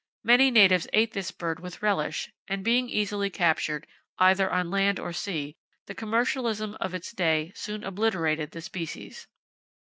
Many natives ate this bird with relish, and being easily captured, either on land or sea, the commercialism of its day soon obliterated the species.